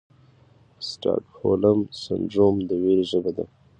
سټاکهولم سنډروم د ویرې ژبه ده.